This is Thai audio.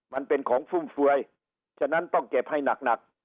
มันเป็นของฟุ่มเฟือยฉะนั้นต้องเก็บให้หนัก